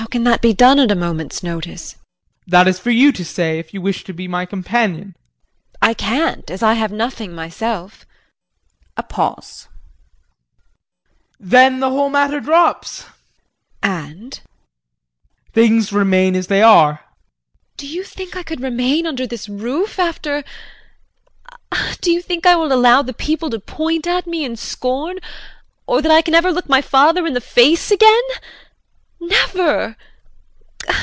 JULIE. How can that be done at a moment's notice? JEAN. That is for you to say, if you wish to be my companion. JULIE. I can't as I have nothing myself. [A pause.] JEAN. Then the whole matter drops JULIE. And JEAN. Things remain as they are. JULIE. Do you think I could remain under this roof after Do you think I will allow the people to point at me in scorn, or that I can ever look my father in the face again? Never!